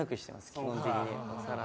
基本的に。